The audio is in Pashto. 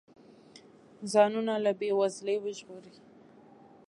ځانونه له بې وزلۍ وژغوري.